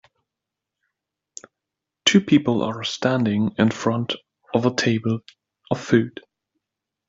Two people are standing in front of a table of food.